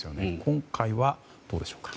今回はどうでしょうか。